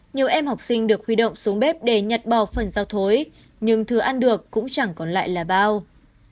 nhiều em học sinh được huy động xuống bếp để nhặt bò phần rau thối nhưng thứ ăn được cũng chẳng còn lại là bao